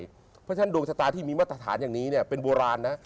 เพราะฉะนั้นดวงชะตาที่มีมาตรฐานอย่างนี้เป็นโบราณนะ